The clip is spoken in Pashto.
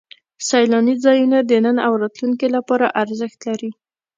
سیلاني ځایونه د نن او راتلونکي لپاره ارزښت لري.